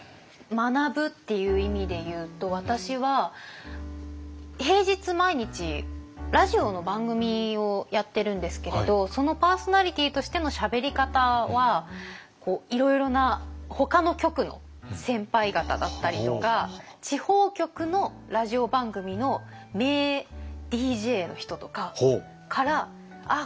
学ぶっていう意味でいうと私は平日毎日ラジオの番組をやってるんですけれどそのパーソナリティーとしてのしゃべり方はいろいろなほかの局の先輩方だったりとか地方局のラジオ番組の名ＤＪの人とかからあ